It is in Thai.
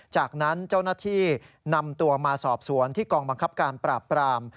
จากนั้นเจ้าหน้าที่นำตัวมาสอบสวนที่กองบังคับการปราบปราม